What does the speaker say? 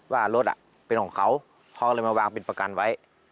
ว่ารถเป็นของเขาเขาเลยมาวางเป็นประกันไว้